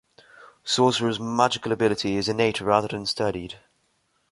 Sorcerers' magical ability is innate rather than studied.